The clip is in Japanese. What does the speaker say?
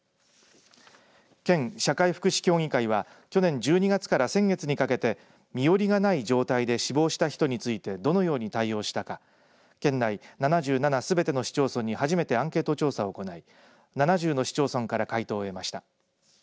県社会福祉協議会は去年１２月から先月にかけて身寄りがない状態で死亡した人についてどのように対応したか県内７７すべての市町村に初めてアンケート調査を行い７０の市町村から回答を得ました。